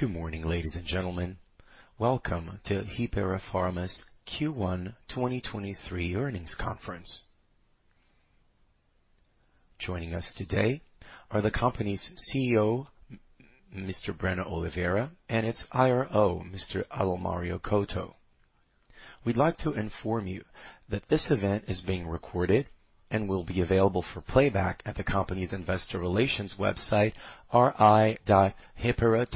Good morning, ladies and gentlemen. Welcome to Hypera Pharma's Q1 2023 earnings conference. Joining us today are the company's CEO, Mr. Breno Oliveira, and its IRO, Mr. Adalmario Couto. We'd like to inform you that this event is being recorded and will be available for playback at the company's investor relations website, ri.hypera.com.br.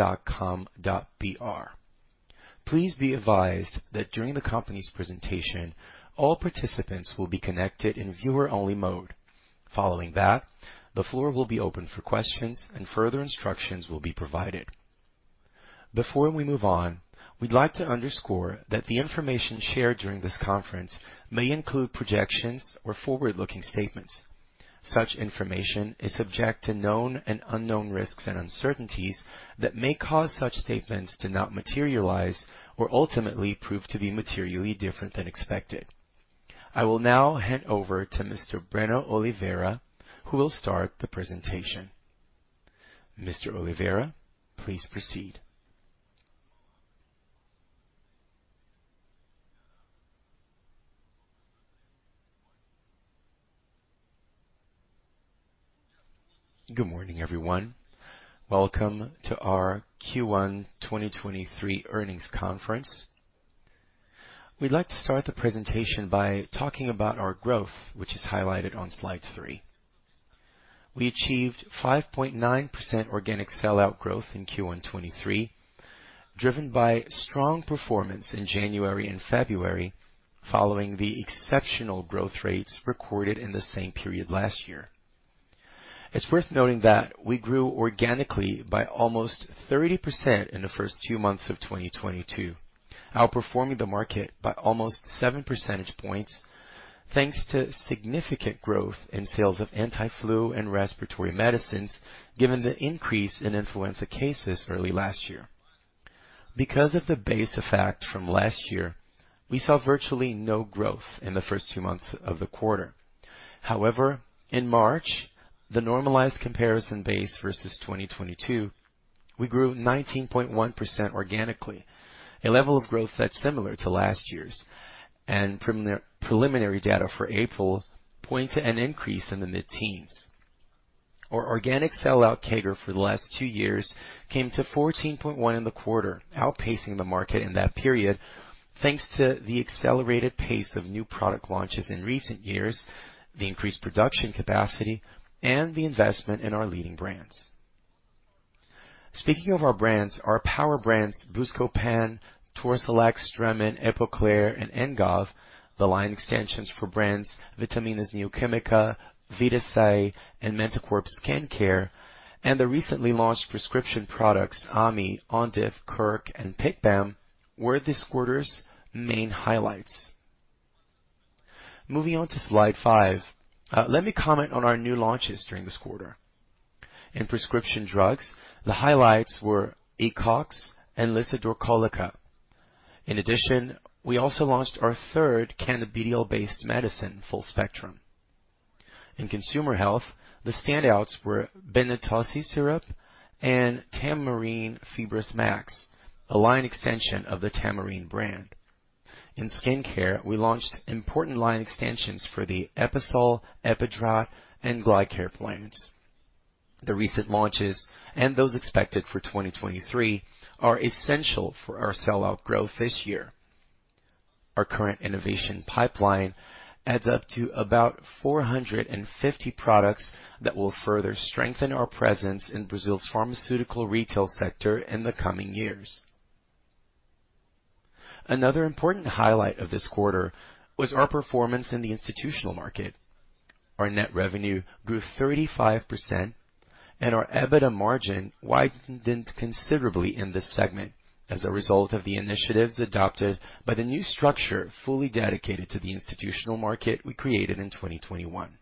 Please be advised that during the company's presentation, all participants will be connected in viewer-only mode. Following that, the floor will be open for questions and further instructions will be provided. Before we move on, we'd like to underscore that the information shared during this conference may include projections or forward-looking statements. Such information is subject to known and unknown risks and uncertainties that may cause such statements to not materialize or ultimately prove to be materially different than expected. I will now hand over to Mr. Breno Oliveira, who will start the presentation. Mr. Oliveira, please proceed. Good morning, everyone. Welcome to our Q1 2023 earnings conference. We'd like to start the presentation by talking about our growth, which is highlighted on slide 3. We achieved 5.9% organic sell-out growth in Q1 2023, driven by strong performance in January and February, following the exceptional growth rates recorded in the same period last year. It's worth noting that we grew organically by almost 30% in the first 2 months of 2022, outperforming the market by almost 7 percentage points, thanks to significant growth in sales of anti-flu and respiratory medicines, given the increase in influenza cases early last year. Because of the base effect from last year, we saw virtually no growth in the first 2 months of the quarter. However, in March, the normalized comparison base versus 2022, we grew 19.1% organically, a level of growth that's similar to last year's. Preliminary data for April point to an increase in the mid-teens. Our organic sell-out CAGR for the last 2 years came to 14.1 in the quarter, outpacing the market in that period, thanks to the accelerated pace of new product launches in recent years, the increased production capacity, and the investment in our leading brands. Speaking of our brands, our power brands, Buscopan, Torsilax, Stramon, Epocler, and Engov, the line extensions for brands, Vitaminas Neo Química, Vitasay, and Mantecorp Skincare, and the recently launched prescription products, Amy, Ondif, Curc, and Picbam, were this quarter's main highlights. Moving on to slide 5, let me comment on our new launches during this quarter. In prescription drugs, the highlights were Ecox and Lisador Cólica. In addition, we also launched our 3rd cannabidiol-based medicine, full spectrum. In consumer health, the standouts were Benetosse Syrup and Tamarine Fibras Max, a line extension of the Tamarine brand. In skincare, we launched important line extensions for the Episol, Epidrat, and Glycare brands. The recent launches and those expected for 2023 are essential for our sell-out growth this year. Our current innovation pipeline adds up to about 450 products that will further strengthen our presence in Brazil's pharmaceutical retail sector in the coming years. Another important highlight of this quarter was our performance in the institutional market. Our net revenue grew 35%, and our EBITDA margin widened considerably in this segment as a result of the initiatives adopted by the new structure fully dedicated to the institutional market we created in 2021.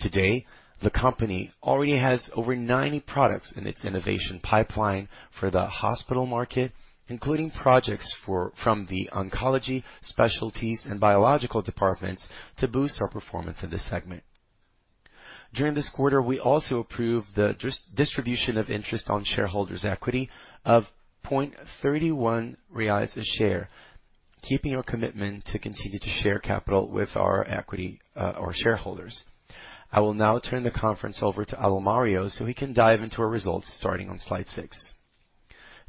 Today, the company already has over 90 products in its innovation pipeline for the hospital market, including projects from the oncology, specialties, and biological departments to boost our performance in this segment. During this quarter, we also approved the distribution of interest on shareholders' equity of 0.31 reais a share, keeping our commitment to continue to share capital with our equity or shareholders. I will now turn the conference over to Adalmario, so we can dive into our results starting on slide 6.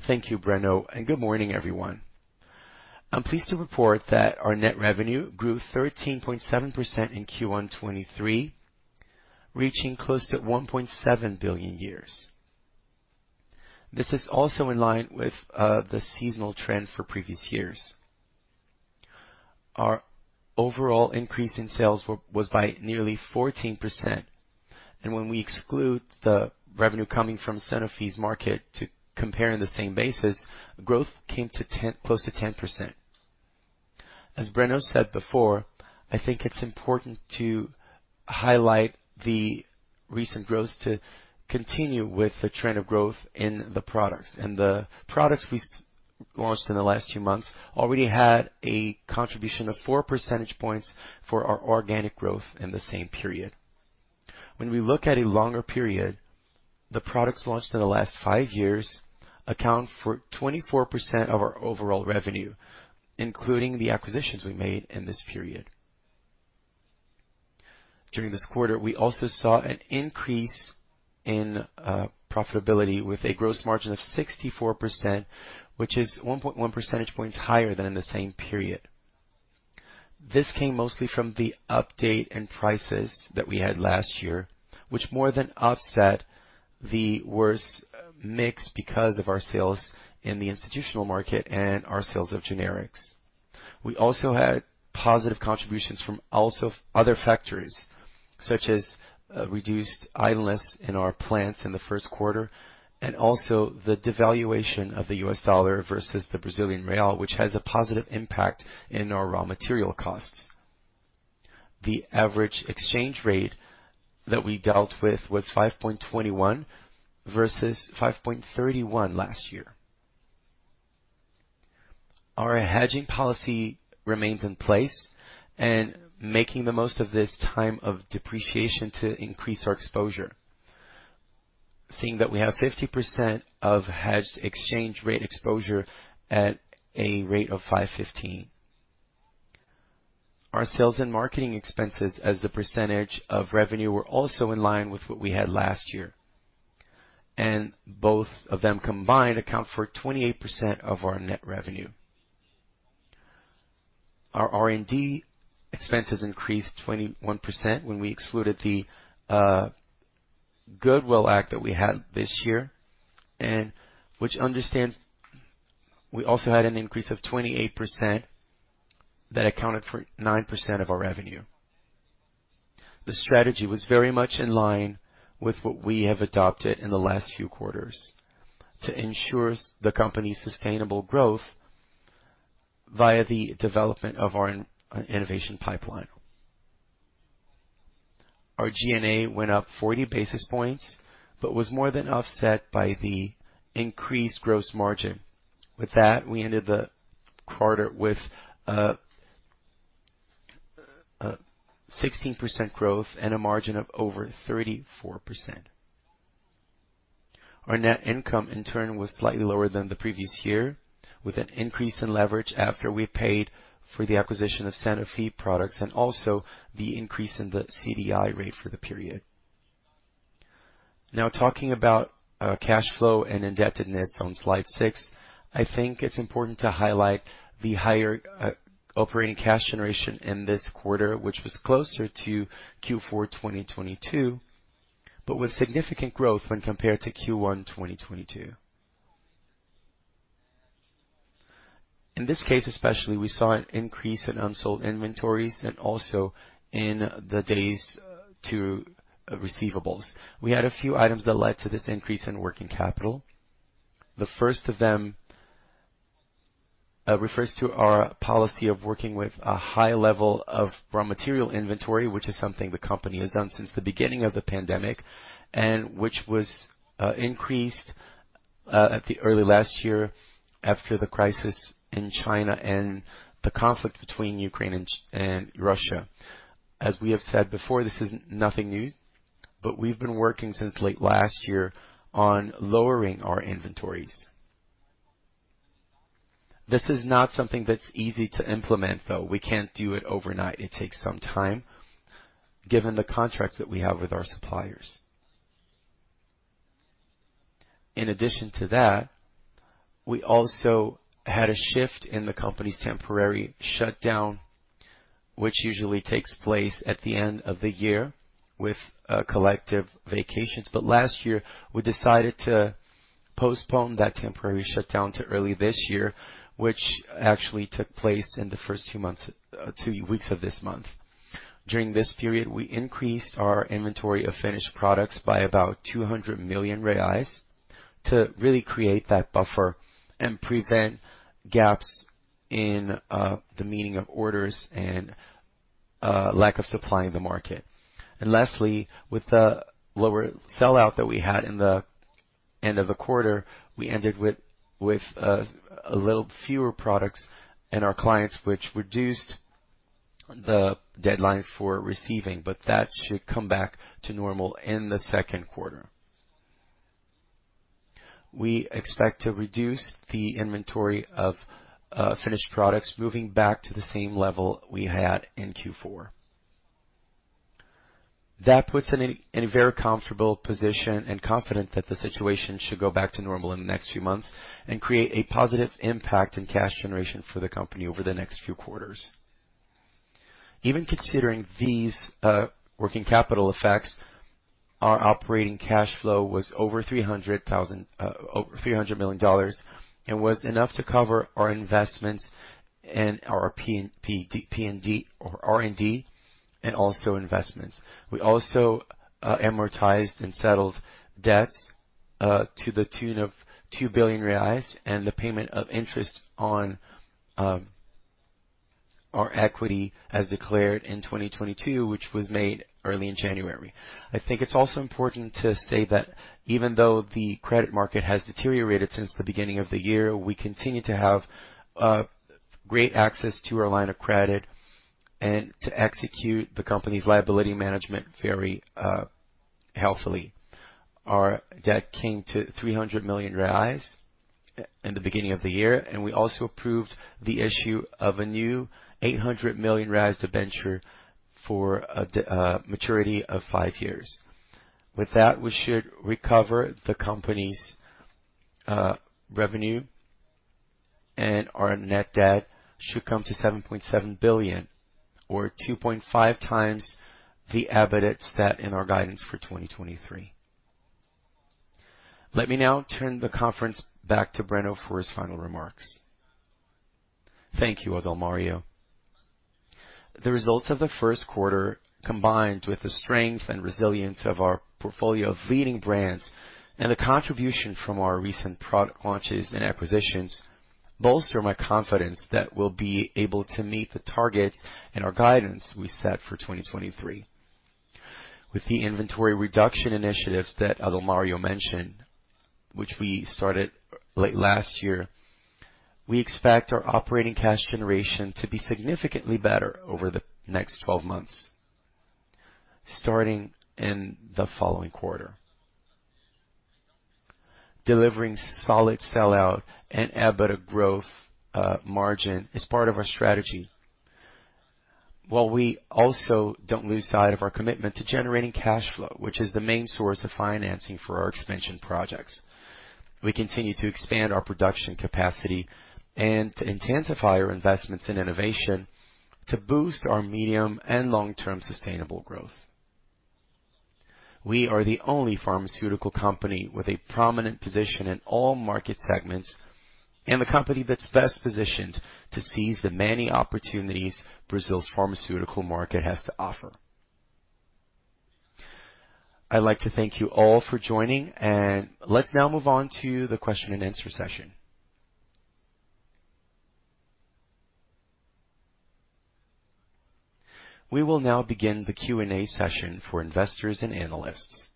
Good morning, everyone. I'm pleased to report that our net revenue grew 13.7% in Q1 2023, reaching close to 1.7 billion. This is also in line with the seasonal trend for previous years. Our overall increase in sales was by nearly 14%, and when we exclude the revenue coming from Sanofi's market to compare in the same basis, growth came to close to 10%. As Breno said before, I think it's important to highlight the recent growth to continue with the trend of growth in the products. In the products we Launched in the last 2 months, already had a contribution of 4 percentage points for our organic growth in the same period. When we look at a longer period, the products launched in the last 5 years account for 24% of our overall revenue, including the acquisitions we made in this period. During this quarter, we also saw an increase in profitability with a gross margin of 64%, which is 1.1 percentage points higher than in the same period. This came mostly from the update and prices that we had last year, which more than offset the worse mix because of our sales in the institutional market and our sales of generics. We also had positive contributions from other factories, such as reduced idleness in our plants in the Q1, and the devaluation of the US dollar versus the Brazilian real, which has a positive impact in our raw material costs. The average exchange rate that we dealt with was 5.21 versus 5.31 last year. Our hedging policy remains in place and making the most of this time of depreciation to increase our exposure. Seeing that we have 50% of hedged exchange rate exposure at a rate of 5.15. Our sales and marketing expenses as a percentage of revenue were also in line with what we had last year, and both of them combined account for 28% of our net revenue. Our R&D expenses increased 21% when we excluded the goodwill act that we had this year, and which understands we also had an increase of 28% that accounted for 9% of our revenue. The strategy was very much in line with what we have adopted in the last few quarters to ensure the company's sustainable growth via the development of our innovation pipeline. Our G&A went up 40 basis points, but was more than offset by the increased gross margin. With that, we ended the quarter with a 16% growth and a margin of over 34%. Our net income, in turn, was slightly lower than the previous year, with an increase in leverage after we paid for the acquisition of Centipede products and also the increase in the CDI rate for the period. Talking about cash flow and indebtedness on slide 6, I think it's important to highlight the higher operating cash generation in this quarter, which was closer to Q4, 2022, but with significant growth when compared to Q1, 2022. In this case, especially, we saw an increase in unsold inventories and also in the days to receivables. We had a few items that led to this increase in working capital. The first of them refers to our policy of working with a high level of raw material inventory, which is something the company has done since the beginning of the pandemic and which was increased at the early last year after the crisis in China and the conflict between Ukraine and Russia. As we have said before, this is nothing new, but we've been working since late last year on lowering our inventories. This is not something that's easy to implement, though. We can't do it overnight. It takes some time, given the contracts that we have with our suppliers. In addition to that, we also had a shift in the company's temporary shutdown, which usually takes place at the end of the year with collective vacations. Last year, we decided to postpone that temporary shutdown to early this year, which actually took place in the first 2 weeks of this month. During this period, we increased our inventory of finished products by about 200 million reais to really create that buffer and prevent gaps in the meeting of orders and lack of supply in the market. Lastly, with the lower sell-out that we had in the end of the quarter, we ended with a little fewer products in our clients, which reduced the deadline for receiving, but that should come back to normal in the Q2. We expect to reduce the inventory of finished products moving back to the same level we had in Q4. That puts in a very comfortable position and confident that the situation should go back to normal in the next few months and create a positive impact in cash generation for the company over the next few quarters. Even considering these working capital effects, our operating cash flow was over $300 million and was enough to cover our investments in our R&D and also investments. We also amortized and settled debts to the tune of 2 billion reais and the payment of interest on shareholders' equity as declared in 2022, which was made early in January. I think it's also important to say that even though the credit market has deteriorated since the beginning of the year, we continue to have great access to our line of credit and to execute the company's liability management very healthily. Our debt came to 300 million reais in the beginning of the year, we also approved the issue of a new 800 million reais debenture for a maturity of 5 years. With that, we should recover the company's revenue, our net debt should come to 7.7 billion or 2.5x the EBITDA set in our guidance for 2023. Let me now turn the conference back to Breno for his final remarks. Thank you, Adalmario. The results of the Q1, combined with the strength and resilience of our portfolio of leading brands and the contribution from our recent product launches and acquisitions, bolster my confidence that we'll be able to meet the targets and our guidance we set for 2023. With the inventory reduction initiatives that Adalmario mentioned, which we started late last year, we expect our operating cash generation to be significantly better over the next 12 months, starting in the following quarter. Delivering solid sell-out and EBITDA growth, margin is part of our strategy. While we also don't lose sight of our commitment to generating cash flow, which is the main source of financing for our expansion projects. We continue to expand our production capacity and to intensify our investments in innovation to boost our medium and long-term sustainable growth. We are the only pharmaceutical company with a prominent position in all market segments and the company that's best positioned to seize the many opportunities Brazil's pharmaceutical market has to offer. I'd like to thank you all for joining, and let's now move on to the question-and-answer session. We will now begin the Q&A session for investors and analysts.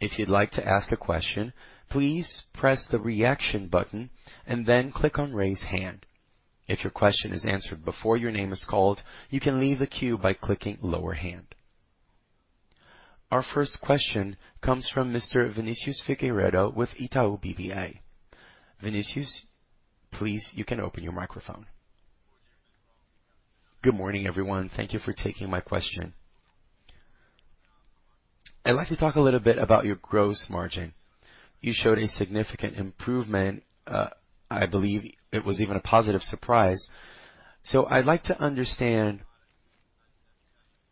If you'd like to ask a question, please press the Reaction button and then click on Raise Hand. If your question is answered before your name is called, you can leave the queue by clicking Lower Hand. Our 1st question comes from Mr. Vinicius Figueiredo with Itaú BBA. Vinicius, please, you can open your microphone. Good morning, everyone. Thank you for taking my question. I'd like to talk a little bit about your gross margin. You showed a significant improvement. I believe it was even a positive surprise. I'd like to understand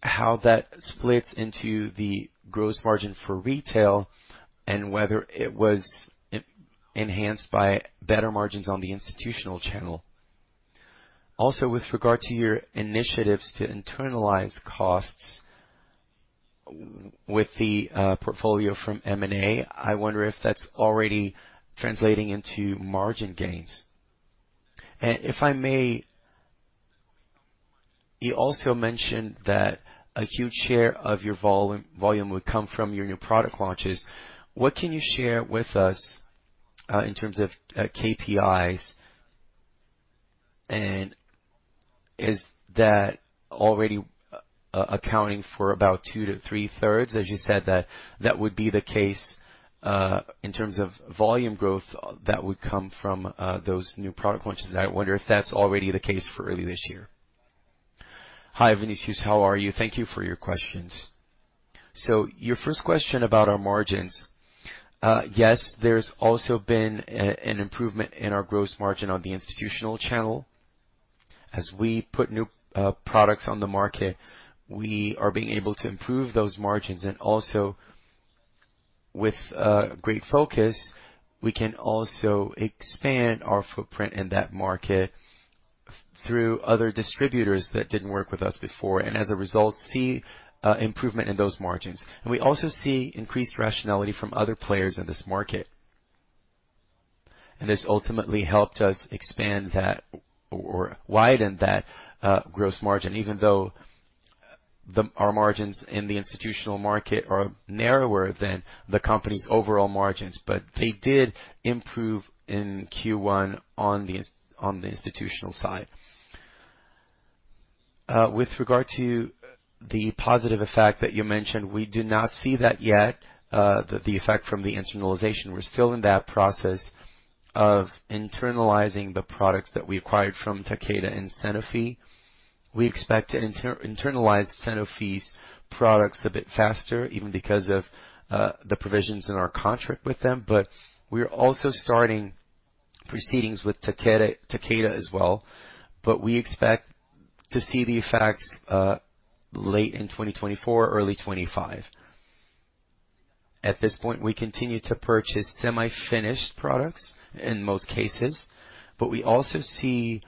how that splits into the gross margin for retail and whether it was enhanced by better margins on the institutional channel. With regard to your initiatives to internalize costs with the portfolio from M&A, I wonder if that's already translating into margin gains. If I may, you also mentioned that a huge share of your volume would come from your new product launches. What can you share with us in terms of KPIs, and is that already accounting for about 2 to 3/3? As you said that that would be the case in terms of volume growth that would come from those new product launches. I wonder if that's already the case for early this year. Hi, Vinicius. How are you? Thank you for your questions. Your 1st question about our margins. Yes, there's also been an improvement in our gross margin on the institutional channel. As we put new products on the market, we are being able to improve those margins and also with great focus, we can also expand our footprint in that market through other distributors that didn't work with us before, and as a result, see improvement in those margins. We also see increased rationality from other players in this market. This ultimately helped us expand that or widen that gross margin, even though our margins in the institutional market are narrower than the company's overall margins, but they did improve in Q1 on the institutional side. With regard to the positive effect that you mentioned, we do not see that yet, the effect from the internalization. We're still in that process of internalizing the products that we acquired from Takeda and Sanofi. We expect to internalize Sanofi's products a bit faster, even because of the provisions in our contract with them. We are also starting proceedings with Takeda as well. We expect to see the effects late in 2024, early 25. At this point, we continue to purchase semi-finished products in most cases, but we also see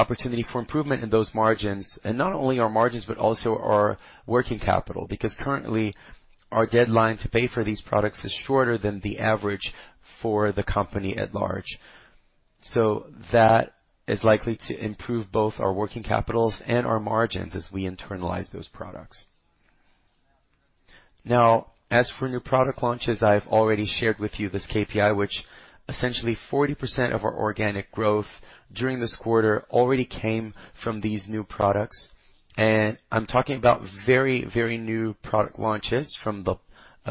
opportunity for improvement in those margins, and not only our margins but also our working capital, because currently our deadline to pay for these products is shorter than the average for the company at large. That is likely to improve both our working capitals and our margins as we internalize those products. Now, as for new product launches, I've already shared with you this KPI, which essentially 40% of our organic growth during this quarter already came from these new products. I'm talking about very, very new product launches from the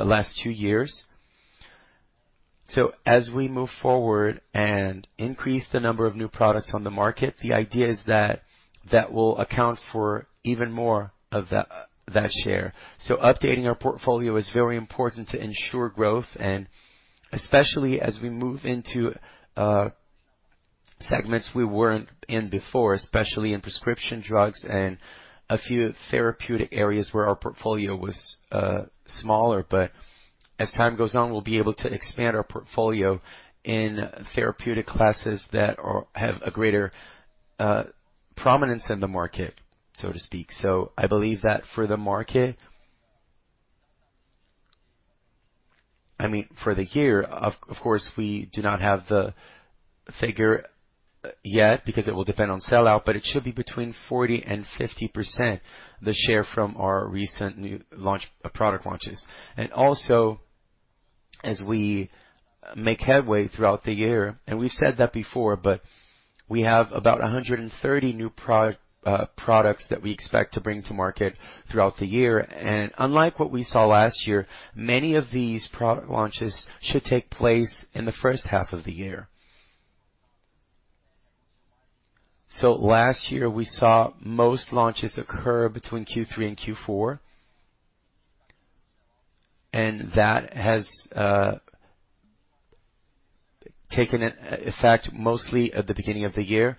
last 2 years. As we move forward and increase the number of new products on the market, the idea is that that will account for even more of that share. Updating our portfolio is very important to ensure growth, and especially as we move into segments we weren't in before, especially in prescription drugs and a few therapeutic areas where our portfolio was smaller. As time goes on, we'll be able to expand our portfolio in therapeutic classes that have a greater prominence in the market, so to speak. I believe that for the market... I mean, for the year, of course, we do not have the figure yet because it will depend on sell-out, but it should be between 40% and 50%, the share from our recent new product launches. Also as we make headway throughout the year, and we've said that before, but we have about 130 new products that we expect to bring to market throughout the year. Unlike what we saw last year, many of these product launches should take place in the H1 of the year. Last year, we saw most launches occur between Q3 and Q4. That has taken effect mostly at the beginning of the year.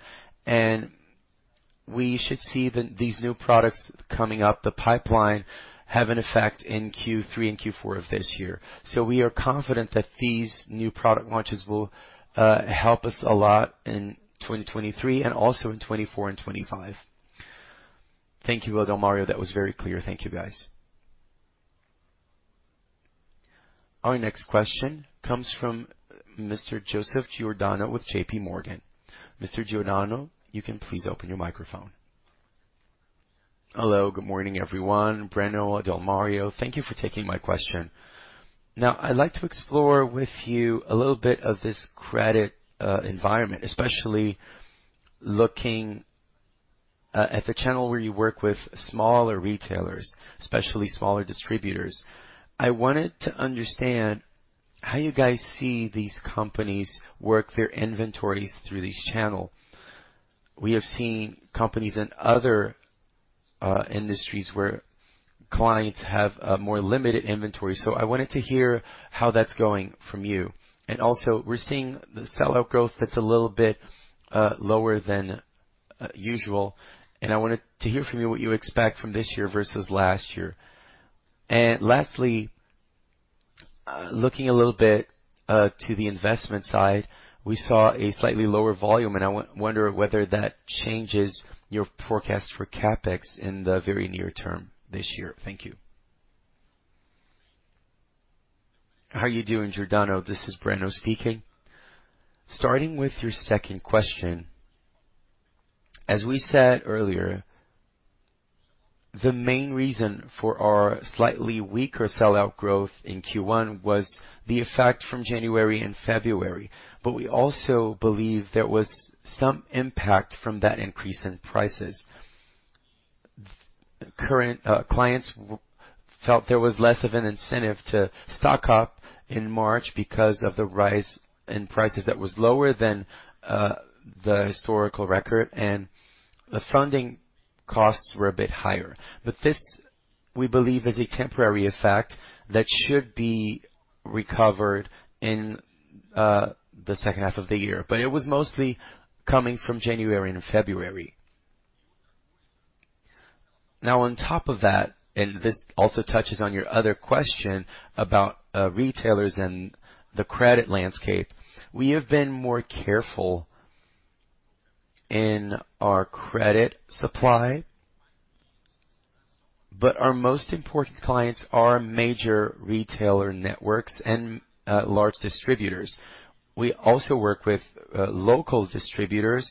We should see that these new products coming up the pipeline have an effect in Q3 and Q4 of this year. We are confident that these new product launches will help us a lot in 2023 and also in 2024 and 2025. Thank you, Adalmario. That was very clear. Thank you, guys. Our next question comes from Mr. Joseph Giordano with JP Morgan. Mr. Giordano, you can please open your microphone. Hello. Good morning, everyone. Breno, Adalmario, thank you for taking my question. I'd like to explore with you a little bit of this credit environment, especially looking at the channel where you work with smaller retailers, especially smaller distributors. I wanted to understand how you guys see these companies work their inventories through this channel. We have seen companies in other industries where clients have a more limited inventory, so I wanted to hear how that's going from you. Also we're seeing the sell-out growth that's a little bit lower than usual, and I wanted to hear from you what you expect from this year versus last year. Lastly, looking a little bit to the investment side, we saw a slightly lower volume, and I wonder whether that changes your forecast for CapEx in the very near term this year. Thank you. How are you doing, Joseph Giordano? This is Breno Oliveira speaking. Starting with your 2nd question. As we said earlier, the main reason for our slightly weaker sell-out growth in Q1 was the effect from January and February, but we also believe there was some impact from that increase in prices. Current clients felt there was less of an incentive to stock up in March because of the rise in prices that was lower than the historical record, and the funding costs were a bit higher. This, we believe, is a temporary effect that should be recovered in the H2 of the year. It was mostly coming from January and February. On top of that, this also touches on your other question about retailers and the credit landscape, we have been more careful in our credit supply, our most important clients are major retailer networks and large distributors. We also work with local distributors,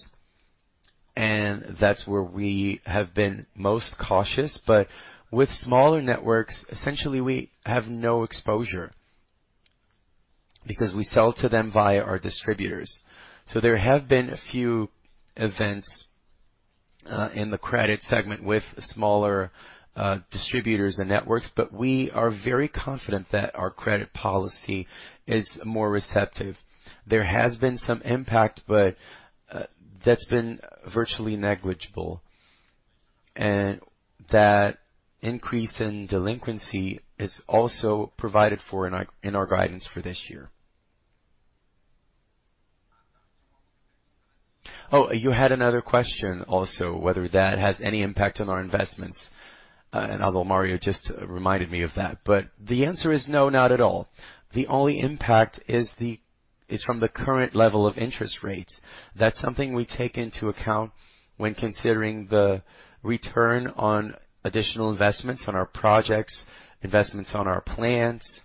and that's where we have been most cautious. With smaller networks, essentially, we have no exposure because we sell to them via our distributors. There have been a few events in the credit segment with smaller distributors and networks, but we are very confident that our credit policy is more receptive. There has been some impact, but that's been virtually negligible. That increase in delinquency is also provided for in our guidance for this year. You had another question also, whether that has any impact on our investments. Adalmario just reminded me of that. The answer is no, not at all. The only impact is from the current level of interest rates. That's something we take into account when considering the return on additional investments on our projects, investments on our plants,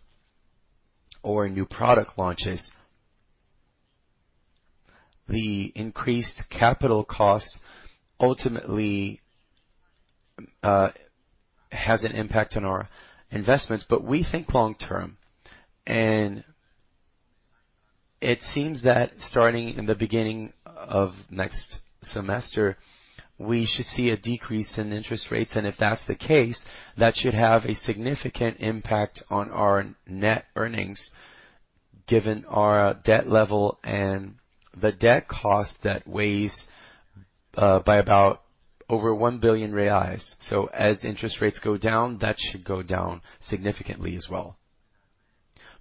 or new product launches. The increased capital costs ultimately has an impact on our investments, but we think long-term. It seems that starting in the beginning of next semester, we should see a decrease in interest rates. If that's the case, that should have a significant impact on our net earnings, given our debt level and the debt cost that weighs by about over 1 billion reais. As interest rates go down, that should go down significantly as well.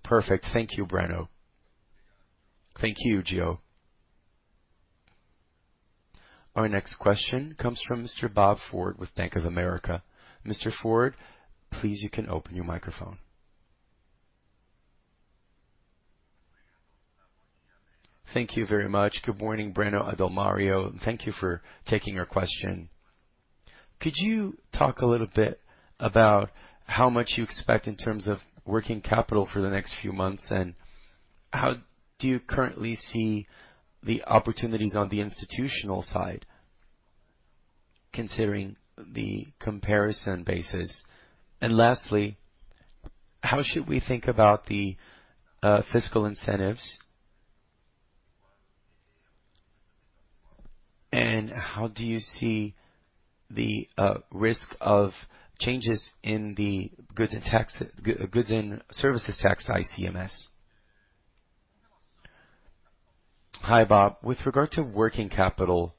Perfect. Thank you, Breno. Thank you, Gio. Our next question comes from Mr. Bob Ford with Bank of America. Mr. Ford, please, you can open your microphone. Thank you very much. Good morning, Breno, Adalmario, and thank you for taking our question. Could you talk a little bit about how much you expect in terms of working capital for the next few months, and how do you currently see the opportunities on the institutional side, considering the comparison basis? Lastly, how should we think about the fiscal incentives? How do you see the risk of changes in the goods and services tax ICMS? Hi, Bob. With regard to working capital,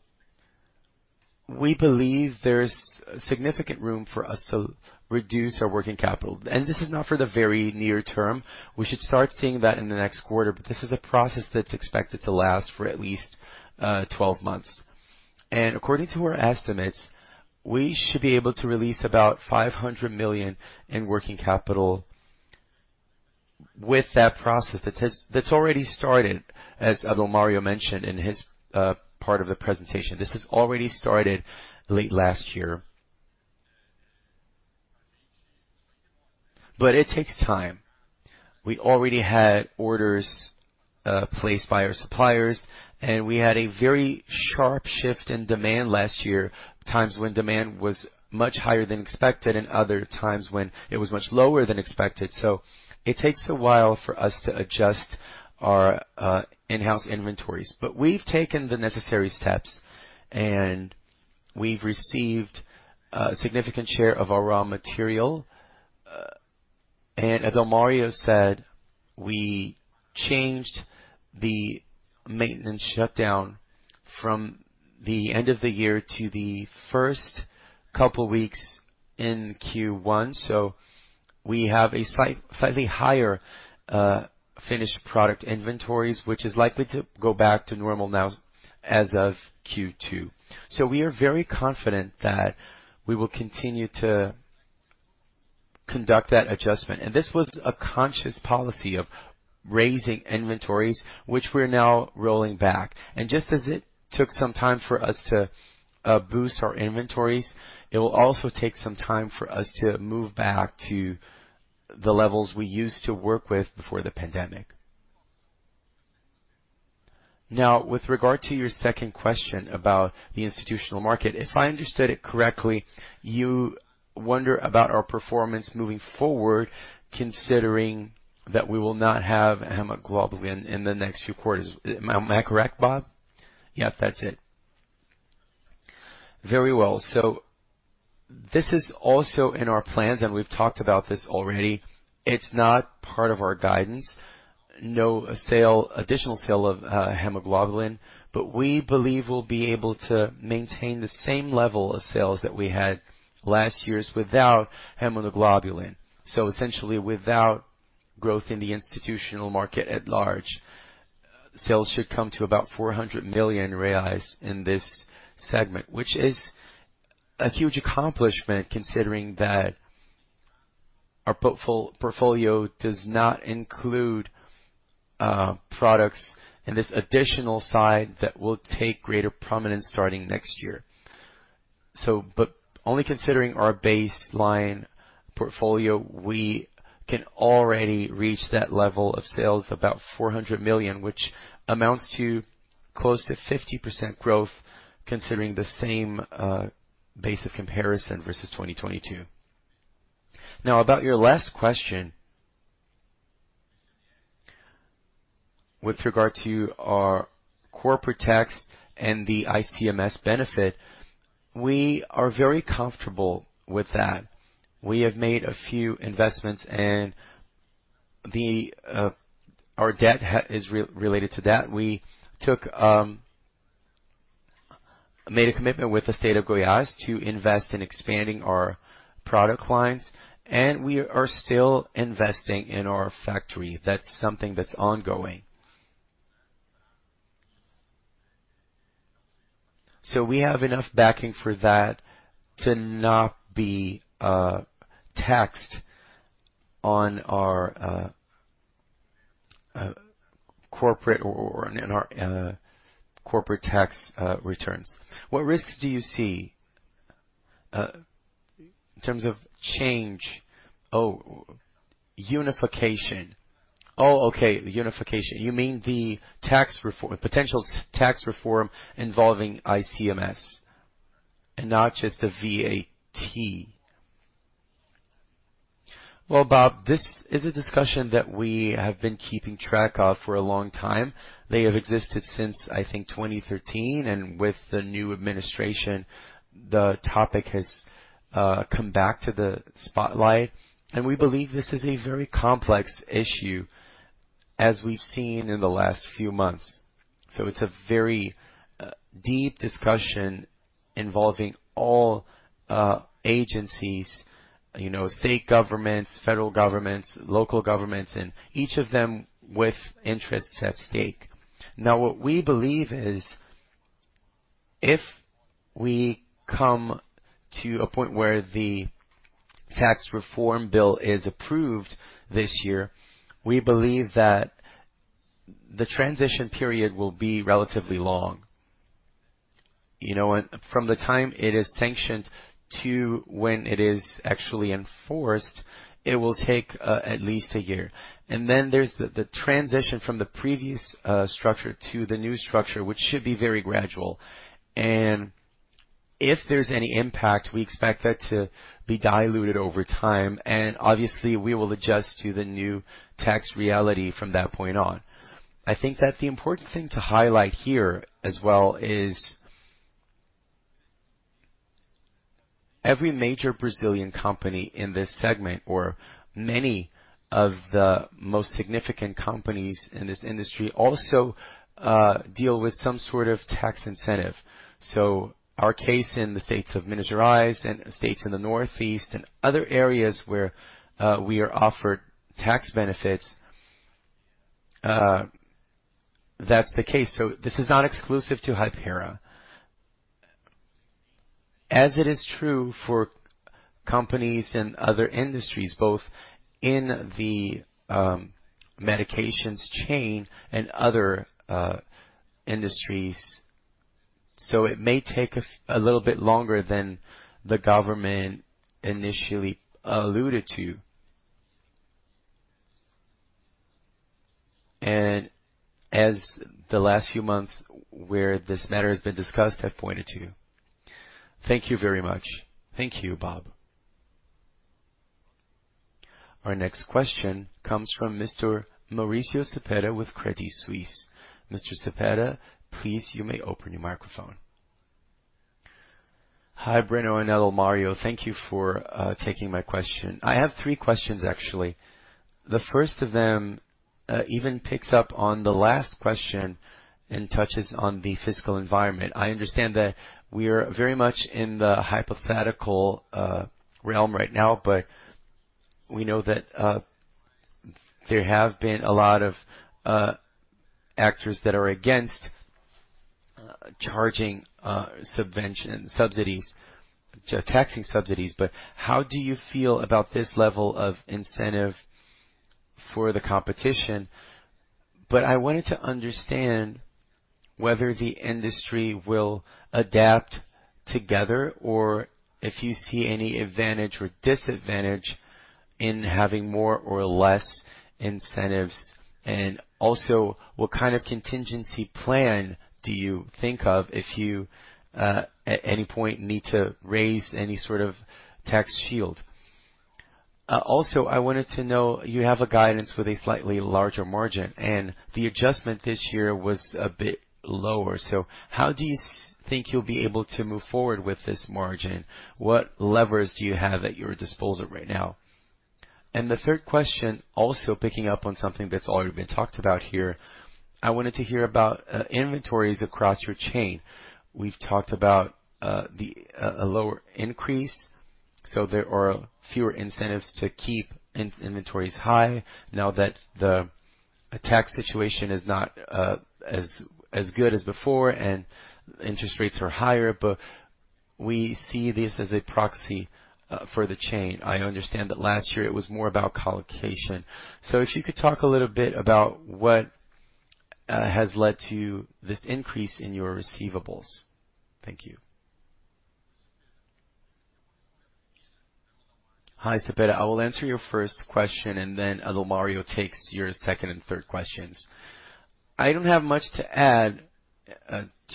we believe there's significant room for us to reduce our working capital, and this is not for the very near term. We should start seeing that in the next quarter, but this is a process that's expected to last for at least 12 months. According to our estimates, we should be able to release about 500 million in working capital with that process that's already started, as Adalmario mentioned in his part of the presentation. This has already started late last year. It takes time. We already had orders placed by our suppliers. We had a very sharp shift in demand last year, times when demand was much higher than expected and other times when it was much lower than expected. It takes a while for us to adjust our in-house inventories. We've taken the necessary steps and we've received a significant share of our raw material. Adalmario said we changed the maintenance shutdown from the end of the year to the first couple weeks in Q1. We have a slightly higher finished product inventories, which is likely to go back to normal now as of Q2. We are very confident that we will continue to conduct that adjustment. This was a conscious policy of raising inventories, which we're now rolling back. Just as it took some time for us to boost our inventories, it will also take some time for us to move back to the levels we used to work with before the pandemic. With regard to your 2nd question about the institutional market, if I understood it correctly, you wonder about our performance moving forward, considering that we will not have hemoglobin in the next few quarters. Am I correct, Bob? Yep, that's it. Very well. This is also in our plans, and we've talked about this already. It's not part of our guidance. No additional sale of hemoglobin. We believe we'll be able to maintain the same level of sales that we had last year's without hemoglobin. Essentially, without growth in the institutional market at large, sales should come to about 400 million reais in this segment, which is a huge accomplishment considering that our portfolio does not include products in this additional side that will take greater prominence starting next year. Only considering our baseline portfolio, we can already reach that level of sales, about 400 million, which amounts to close to 50% growth, considering the same base of comparison versus 2022. About your last question, with regard to our corporate tax and the ICMS benefit, we are very comfortable with that. We have made a few investments, and our debt is related to that. Made a commitment with the state of Goiás to invest in expanding our product lines, and we are still investing in our factory. That's something that's ongoing. We have enough backing for that to not be taxed on our corporate in our corporate tax returns. What risks do you see in terms of change? Oh, unification. Oh, okay, unification. You mean the tax reform, potential tax reform involving ICMS and not just the VAT. Well, Bob, this is a discussion that we have been keeping track of for a long time. They have existed since, I think, 2013, and with the new administration, the topic has come back to the spotlight. We believe this is a very complex issue as we've seen in the last few months. It's a very deep discussion involving all agencies, you know, state governments, federal governments, local governments, and each of them with interests at stake. What we believe is, if we come to a point where the tax reform bill is approved this year, we believe that the transition period will be relatively long. You know, from the time it is sanctioned to when it is actually enforced, it will take at least a year. Then there's the transition from the previous structure to the new structure, which should be very gradual. If there's any impact, we expect that to be diluted over time. Obviously, we will adjust to the new tax reality from that point on. I think that the important thing to highlight here as well is every major Brazilian company in this segment or many of the most significant companies in this industry also deal with some sort of tax incentive. Our case in the states of Minas Gerais and states in the Northeast and other areas where we are offered tax benefits, that's the case. This is not exclusive to Hypera. As it is true for companies in other industries, both in the medications chain and other industries. It may take a little bit longer than the government initially alluded to. As the last few months where this matter has been discussed have pointed to. Thank you very much. Thank you, Bob. Our next question comes from Mr. Mauricio Cepeda with Credit Suisse. Mr. Cepeda, please, you may open your microphone. Hi, Breno and Adalmario. Thank you for taking my question. I have 3 questions, actually. The first of them, even picks up on the last question and touches on the fiscal environment. I understand that we are very much in the hypothetical realm right now. We know that there have been a lot of actors that are against charging subsidies, to taxing subsidies. How do you feel about this level of incentive for the competition? I wanted to understand whether the industry will adapt together or if you see any advantage or disadvantage in having more or less incentives. Also, what kind of contingency plan do you think of if you at any point need to raise any sort of tax shield? Also, I wanted to know, you have a guidance with a slightly larger margin, and the adjustment this year was a bit lower. How do you think you'll be able to move forward with this margin? What levers do you have at your disposal right now? The 3rd question, also picking up on something that's already been talked about here, I wanted to hear about inventories across your chain. We've talked about a lower increase, so there are fewer incentives to keep inventories high now that the tax situation is not as good as before and interest rates are higher. We see this as a proxy for the chain. I understand that last year it was more about collocation. If you could talk a little bit about what has led to this increase in your receivables. Thank you. Hi, Cepeda. I will answer your 1st question, and then Adalmario takes your 2nd and 3rd questions. I don't have much to add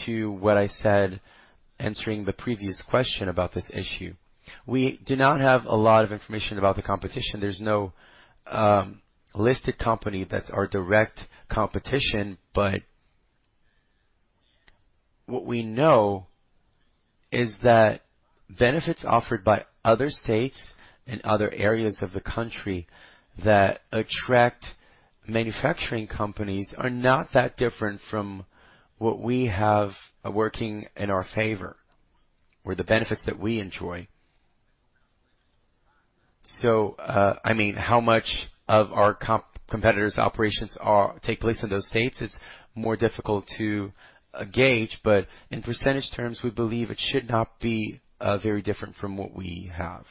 to what I said answering the previous question about this issue. We do not have a lot of information about the competition. There's no listed company that's our direct competition, but what we know is that benefits offered by other states and other areas of the country that attract manufacturing companies are not that different from what we have working in our favor or the benefits that we enjoy. I mean, how much of our competitors operations take place in those states is more difficult to gauge, but in percentage terms, we believe it should not be very different from what we have.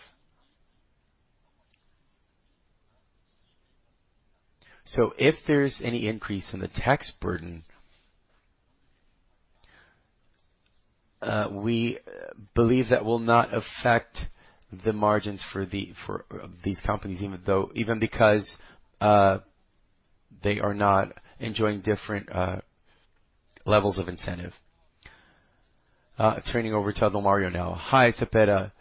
If there's any increase in the tax burden, we believe that will not affect the margins for these companies, even because they are not enjoying different levels of incentive. Turning over to Adalmario now. Hi, Cepeda.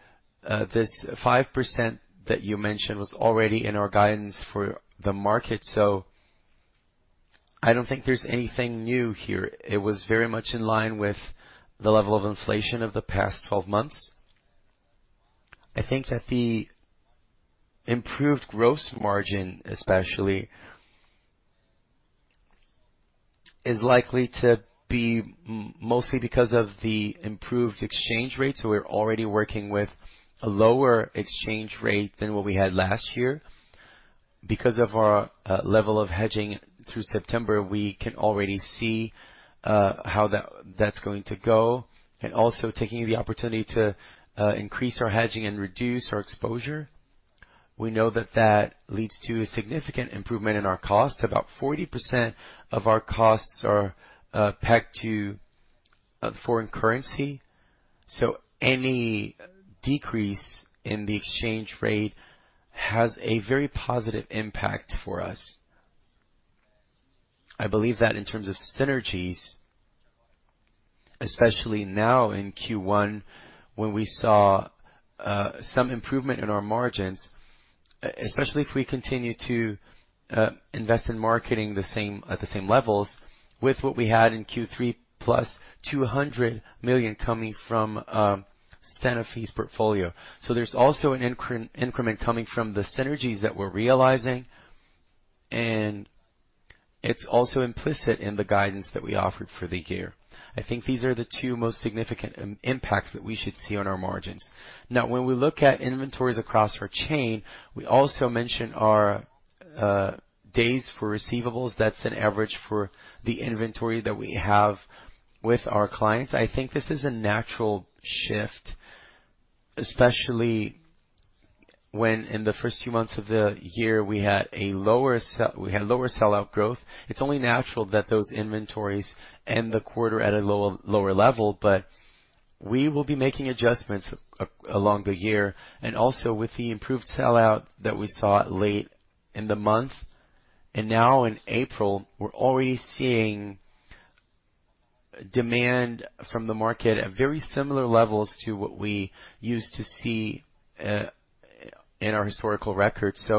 This 5% that you mentioned was already in our guidance for the market. I don't think there's anything new here. It was very much in line with the level of inflation of the past 12 months. I think that the improved gross margin, especially, is likely to be mostly because of the improved exchange rates. We're already working with a lower exchange rate than what we had last year. Because of our level of hedging through September, we can already see how that's going to go, and also taking the opportunity to increase our hedging and reduce our exposure. We know that that leads to a significant improvement in our costs. About 40% of our costs are pegged to a foreign currency. Any decrease in the exchange rate has a very positive impact for us. I believe that in terms of synergies, especially now in Q1 when we saw some improvement in our margins, especially if we continue to invest in marketing the same, at the same levels with what we had in Q3, plus 200 million coming from Sanofi's portfolio. There's also an increment coming from the synergies that we're realizing, and it's also implicit in the guidance that we offered for the year. I think these are the 2 most significant impacts that we should see on our margins. When we look at inventories across our chain, we also mention our days for receivables. That's an average for the inventory that we have with our clients. I think this is a natural shift, especially when in the first few months of the year, we had lower sell-out growth. It's only natural that those inventories end the quarter at a low, lower level. We will be making adjustments along the year and also with the improved sellout that we saw late in the month. Now in April, we're already seeing demand from the market at very similar levels to what we used to see in our historical records.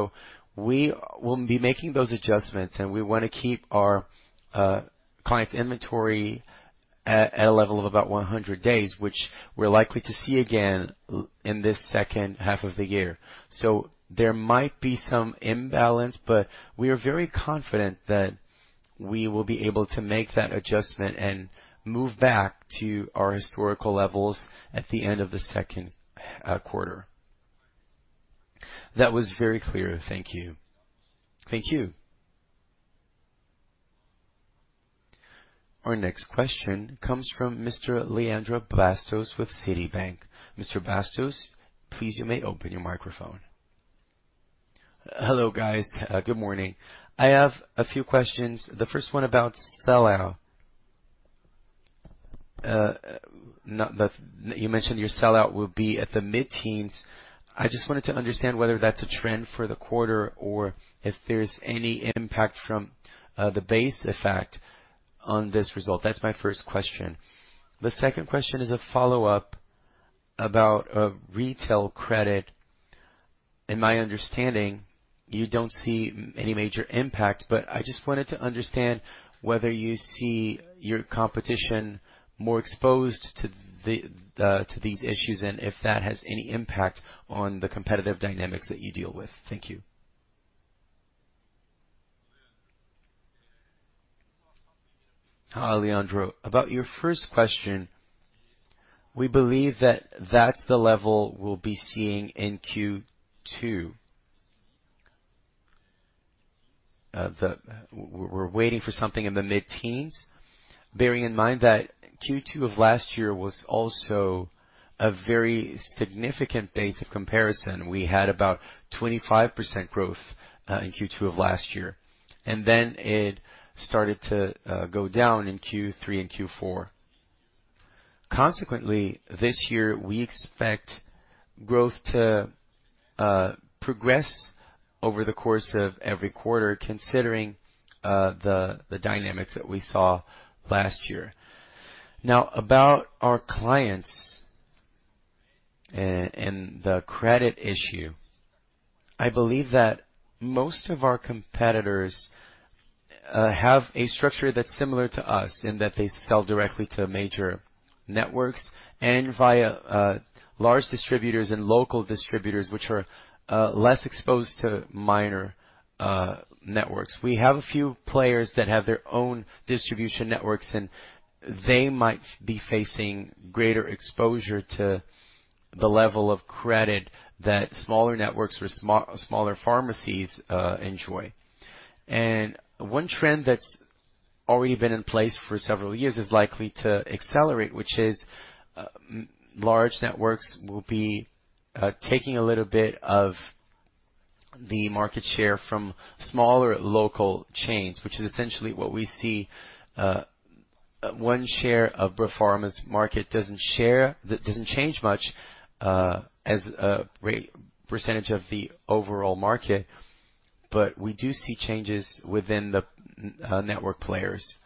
We will be making those adjustments, and we wanna keep our clients inventory at a level of about 100 days, which we're likely to see again in this H2 of the year. There might be some imbalance, but we are very confident that we will be able to make that adjustment and move back to our historical levels at the end of the Q2. That was very clear. Thank you. Thank you. Our next question comes from Mr. Leandro Bastos with Citi. Mr. Bastos, please, you may open your microphone. Hello, guys. Good morning. I have a few questions. The first one about sell-out. You mentioned your sell-out will be at the mid-teens. I just wanted to understand whether that's a trend for the quarter or if there's any impact from the base effect on this result. That's my 1st question. The 2nd question is a follow-up about retail credit. In my understanding, you don't see any major impact, but I just wanted to understand whether you see your competition more exposed to these issues and if that has any impact on the competitive dynamics that you deal with. Thank you. Hi, Leandro. About your 1st question, we believe that that's the level we'll be seeing in Q2. We're waiting for something in the mid-teens. Bearing in mind that Q2 of last year was also a very significant base of comparison. We had about 25% growth in Q2 of last year, and then it started to go down in Q3 and Q4. This year, we expect growth to progress over the course of every quarter, considering the dynamics that we saw last year. About our clients and the credit issue, I believe that most of our competitors have a structure that's similar to us in that they sell directly to major networks and via large distributors and local distributors, which are less exposed to minor networks. We have a few players that have their own distribution networks, and they might be facing greater exposure to the level of credit that smaller networks or smaller pharmacies enjoy. 1 trend that's already been in place for several years is likely to accelerate, which is, large networks will be taking a little bit of the market share from smaller local chains, which is essentially what we see. 1 share of pharma market doesn't change much as a percentage of the overall market, but we do see changes within the network players.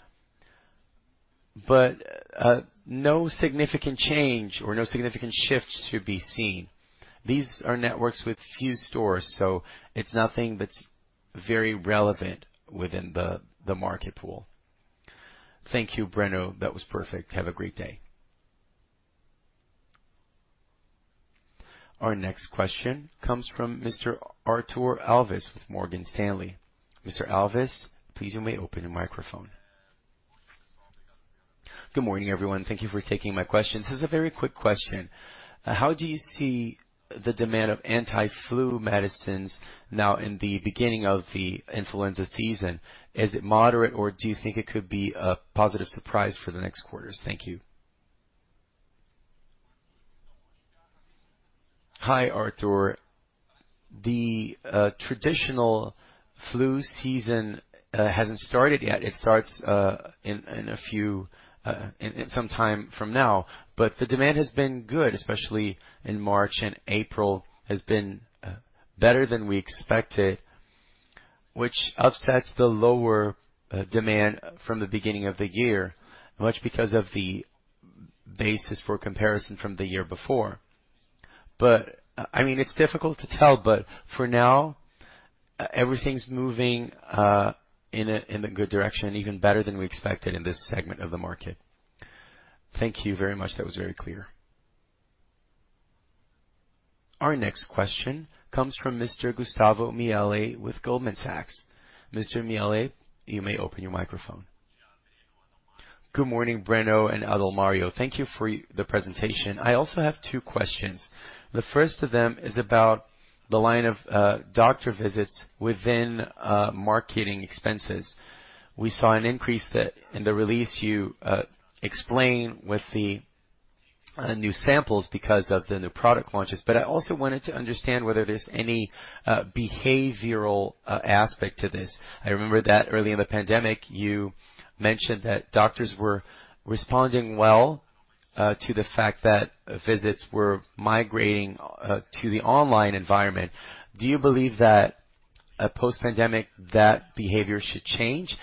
No significant change or no significant shifts should be seen. These are networks with few stores, so it's nothing that's very relevant within the market pool. Thank you, Breno. That was perfect. Have a great day. Our next question comes from Mr. Artur Alves with Morgan Stanley. Mr. Alves, please you may open your microphone. Good morning, everyone. Thank you for taking my questions. This is a very quick question. How do you see the demand of anti-flu medicines now in the beginning of the influenza season? Is it moderate or do you think it could be a positive surprise for the next quarters? Thank you. Hi, Artur. The traditional flu season hasn't started yet. It starts in a few, in some time from now, but the demand has been good, especially in March and April, has been better than we expected, which offsets the lower demand from the beginning of the year, much because of the basis for comparison from the year before. I mean, it's difficult to tell, but for now, everything's moving in a good direction, even better than we expected in this segment of the market. Thank you very much. That was very clear. Our next question comes from Mr. Gustavo Miele with Goldman Sachs. Mr. Miele, you may open your microphone. Good morning, Breno and Adalmario. Thank you for the presentation. I also have 2 questions. The first of them is about the line of doctor visits within marketing expenses. We saw an increase that in the release you explain with the new samples because of the new product launches. I also wanted to understand whether there's any behavioral aspect to this. I remember that early in the pandemic, you mentioned that doctors were responding well to the fact that visits were migrating to the online environment. Do you believe that post-pandemic that behavior should change?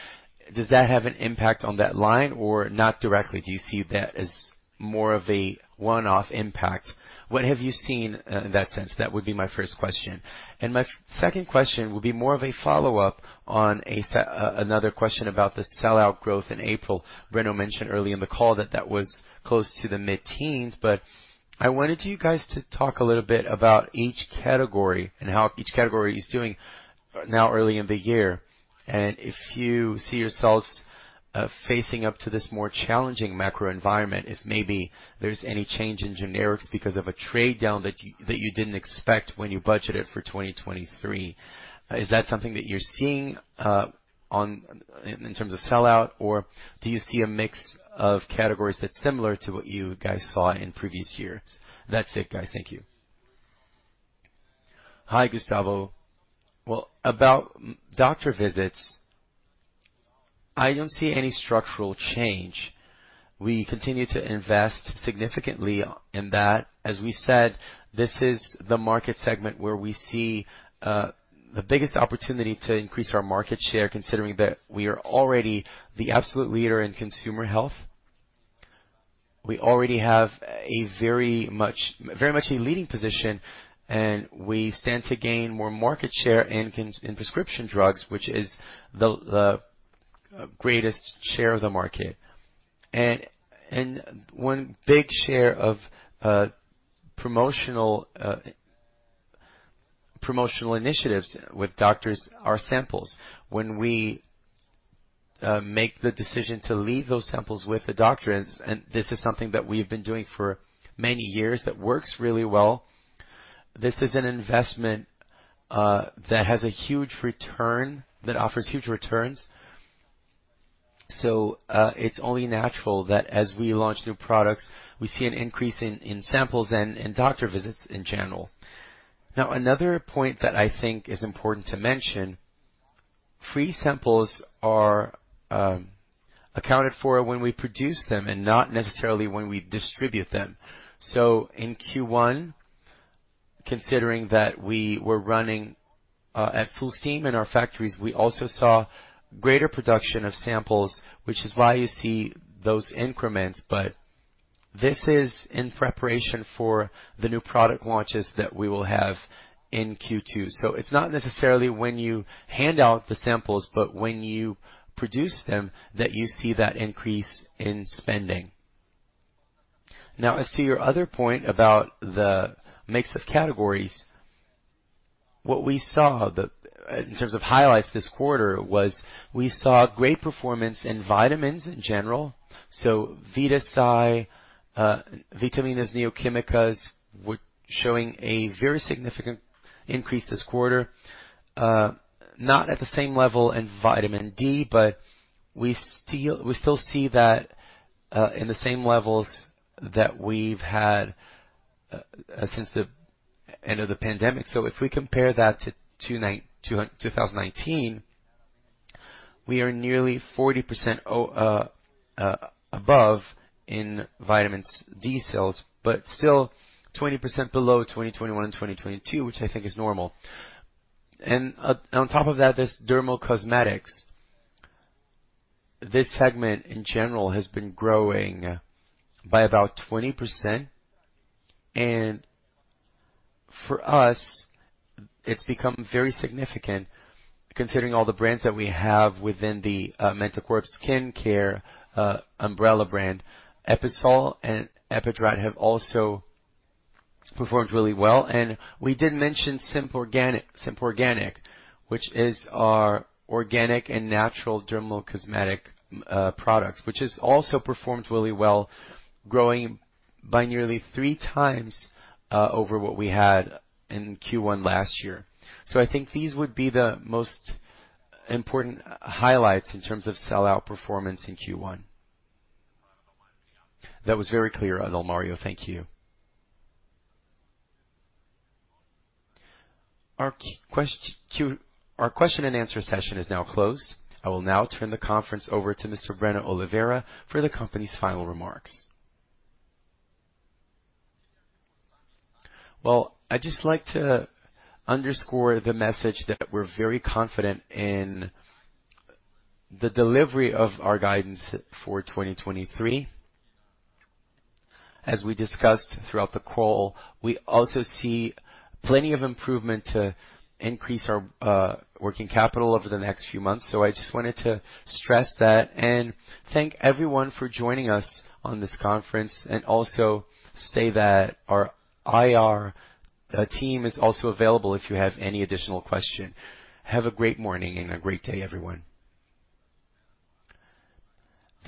Does that have an impact on that line or not directly? Do you see that as more of a one-off impact? What have you seen in that sense? That would be my 1st question. My 2nd question would be more of a follow-up on another question about the sell-out growth in April. Breno mentioned early in the call that that was close to the mid-teens, but I wanted you guys to talk a little bit about each category and how each category is doing now early in the year. If you see yourselves facing up to this more challenging macro environment, if maybe there's any change in generics because of a trade-down that you, that you didn't expect when you budgeted for 2023. Is that something that you're seeing in terms of sell-out, or do you see a mix of categories that's similar to what you guys saw in previous years? That's it, guys. Thank you. Hi, Gustavo. Well, about doctor visits, I don't see any structural change. We continue to invest significantly in that. As we said, this is the market segment where we see the biggest opportunity to increase our market share, considering that we are already the absolute leader in consumer health. We already have a very much a leading position, and we stand to gain more market share in prescription drugs, which is the greatest share of the market. 1 big share of promotional initiatives with doctors are samples. When we make the decision to leave those samples with the doctors, this is something that we've been doing for many years that works really well. This is an investment that has a huge return, that offers huge returns. It's only natural that as we launch new products, we see an increase in samples and in doctor visits in general. Another point that I think is important to mention, free samples are accounted for when we produce them and not necessarily when we distribute them. In Q1, considering that we were running at full steam in our factories, we also saw greater production of samples, which is why you see those increments. This is in preparation for the new product launches that we will have in Q2. It's not necessarily when you hand out the samples, but when you produce them that you see that increase in spending. As to your other point about the mix of categories. What we saw in terms of highlights this quarter was we saw great performance in vitamins in general. Vita-C, Vitaminas Neo Química were showing a very significant increase this quarter, not at the same level in vitamin D, but we still see that in the same levels that we've had since the end of the pandemic. If we compare that to 2019, we are nearly 40% above in vitamins D sales, but still 20% below 2021 and 2022, which I think is normal. On top of that, there's dermocosmetics. This segment, in general, has been growing by about 20%. For us, it's become very significant considering all the brands that we have within the Mantecorp Skincare umbrella brand. Episol and Epidrat have also performed really well. We did mention Simple Organic, which is our organic and natural dermocosmetics products, which has also performed really well, growing by nearly 3 times over what we had in Q1 last year. I think these would be the most important highlights in terms of sell-out performance in Q1. That was very clear, Adalmario. Thank you. Our question and answer session is now closed. I will now turn the conference over to Mr. Breno Oliveira for the company's final remarks. Well, I'd just like to underscore the message that we're very confident in the delivery of our guidance for 2023. As we discussed throughout the call, we also see plenty of improvement to increase our working capital over the next few months. I just wanted to stress that and thank everyone for joining us on this conference and also say that our IR team is also available if you have any additional question. Have a great morning and a great day, everyone.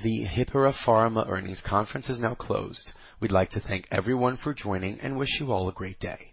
The Hypera Pharma Earnings Conference is now closed. We'd like to thank everyone for joining and wish you all a great day.